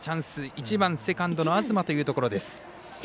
１番、セカンドの東というところ。